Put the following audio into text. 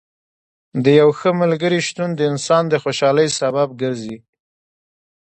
د یو ښه ملګري شتون د انسان د خوشحالۍ سبب ګرځي.